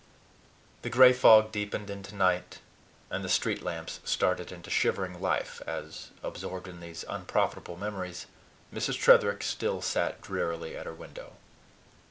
The gray fog deepened into night, and the street lamps started into shivering life as, absorbed in these unprofitable memories, Mrs. Tretherick still sat drearily at her window.